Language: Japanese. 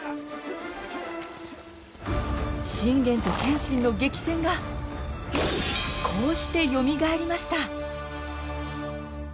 信玄と謙信の激戦がこうしてよみがえりました。